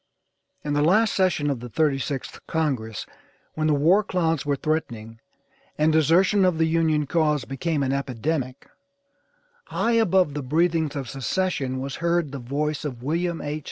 In the last session of the 36th Congress, when the war clouds were threatening, and desertion of the Union cause became an epidemic, high above the breathings of secession was heard the voice of William H.